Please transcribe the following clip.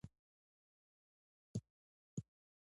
او بې طرفانه، د احساساتو لرې